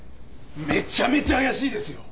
めちゃめちゃ怪しいですよ